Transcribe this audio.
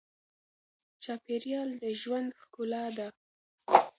چاپېریال د ژوند ښکلا ده.